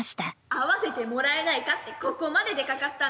会わせてもらえないかってここまで出かかったんだけど。